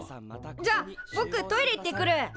じゃあぼくトイレ行ってくる。